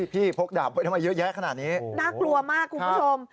พี่พกดาบเยอะแยะขนาดนี้น่ากลัวมากคุณผู้ชม